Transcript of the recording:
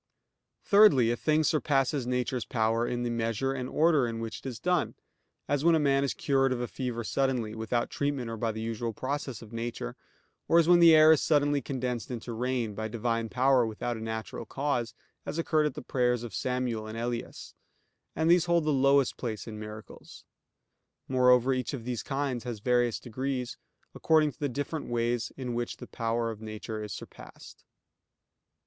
Thirdly, a thing surpasses nature's power in the measure and order in which it is done; as when a man is cured of a fever suddenly, without treatment or the usual process of nature; or as when the air is suddenly condensed into rain, by Divine power without a natural cause, as occurred at the prayers of Samuel and Elias; and these hold the lowest place in miracles. Moreover, each of these kinds has various degrees, according to the different ways in which the power of nature is surpassed.